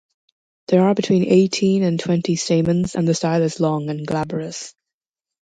There are between eighteen and twenty stamens and the style is long and glabrous.